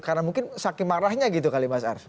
karena mungkin sakit marahnya gitu kali mas ars